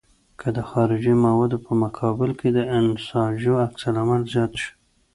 که د خارجي موادو په مقابل کې د انساجو عکس العمل زیات شي.